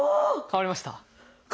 変わりました！